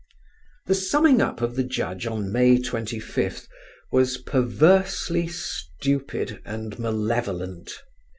The summing up of the Judge on May 25th was perversely stupid and malevolent.